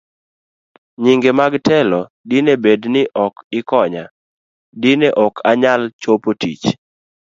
B. Nyinge mag telo Dine bed ni ok ikonya, dine ok anyal chopo tich